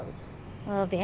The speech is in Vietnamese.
của các ngành